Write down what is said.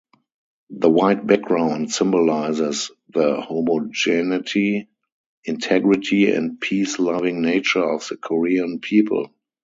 The white background symbolizes the homogeneity, integrity and peace-loving nature of the Korean people.